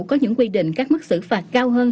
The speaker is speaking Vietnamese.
có những quy định các mức xử phạt cao hơn